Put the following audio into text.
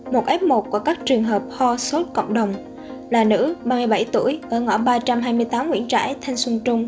một f một của các trường hợp ho sốt cộng đồng là nữ ba mươi bảy tuổi ở ngõ ba trăm hai mươi tám nguyễn trãi thanh xuân trung